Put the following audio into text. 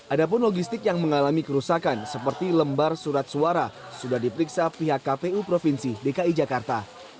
ada pun logistik yang mengalami kerusakan seperti lembar surat suara sudah diperiksa pihak kpu provinsi dki jakarta